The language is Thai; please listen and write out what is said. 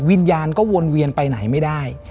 วิญญาณก็วนเวียนไปไหนไม่ได้